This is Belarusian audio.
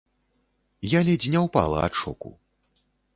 Я ледзь не ўпала ад шоку.